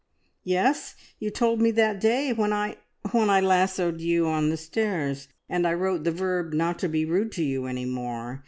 "Yes, you told me that day when I when I lassoed you on the stairs, and I wrote the verb not to be rude to you any more.